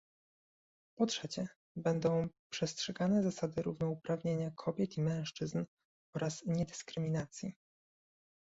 Po trzecie, będą przestrzegane zasady równouprawnienia kobiet i mężczyzn oraz niedyskryminacji